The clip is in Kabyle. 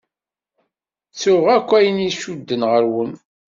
Ttuɣ akk ayen icudden ɣur-wen.